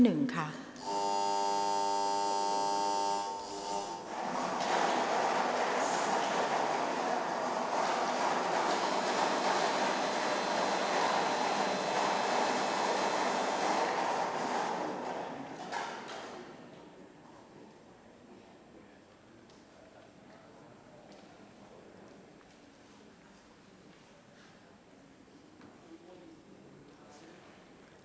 ออกรางวัลเลขหน้า๓ตัวครั้งที่๒